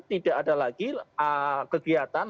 tidak ada lagi kegiatan